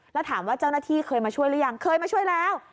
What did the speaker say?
แล้วถามว่าเจ้าหน้าที่เคยมาช่วยหรือยังเคยมาช่วยแล้ว